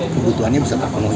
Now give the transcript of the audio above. kebutuhannya bisa terpenuhi